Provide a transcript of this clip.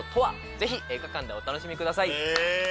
ぜひ映画館でお楽しみください。